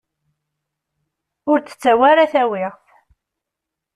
Ur d-ttawi ara tawiɣt.